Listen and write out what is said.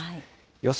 予想